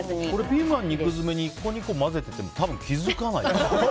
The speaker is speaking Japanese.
ピーマンの肉詰めに１個、２個混ぜてても多分、気づかない。